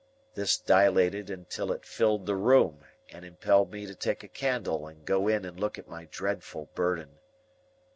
This dilated until it filled the room, and impelled me to take a candle and go in and look at my dreadful burden.